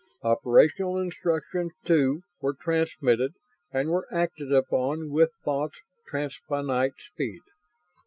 Operational instructions, too, were transmitted and were acted upon with thought's transfinite speed.